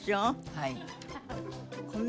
はい。